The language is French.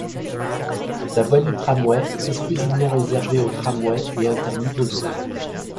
La voie du tramway est exclusivement réservée au tramway et interdite aux deux roues.